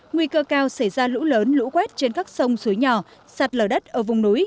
nguy cơ cao xảy ra lũ lớn lũ quét trên các sông suối nhỏ sạt lở đất ở vùng núi